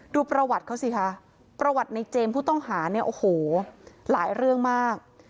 ดูประวัติเขาสิคะประวัติในเจมส์ผู้ต้องหาเนี่ยโอ้โหหลายเรื่องมาก